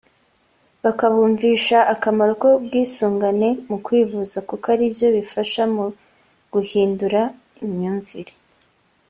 bakabumvisha akamaro k’ubwisungane mu kwivuza kuko ari byo bifasha mu guhindura imyumvire